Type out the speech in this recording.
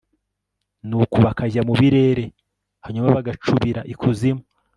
nuko bakajya mu birere, hanyuma bagacubira ikuzimu